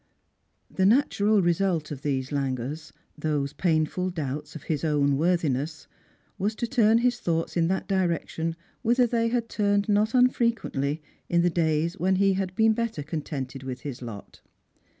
The natural result of these languors — these painful doubts of his own worthiness — was to turn his thoughts in that direction whither they had turned not unfrequently in the days when he had been better contented with his lot.